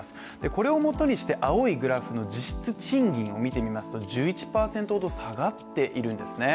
これをもとにして、青いグラフの実質賃金を見てみますと、１１％ほど下がっているんですね